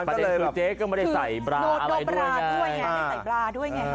ประเด็นคือเจ๊มาใส่มาสาบราด้วยไง